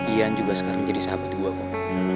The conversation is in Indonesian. ian juga sekarang jadi sahabat gue kok